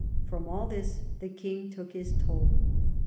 From all this the king took his toll.